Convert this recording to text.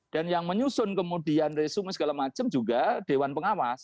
dan yang menyusun kemudian resumen segala macam juga dewan pengawas